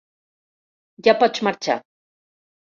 Ja pots marxar.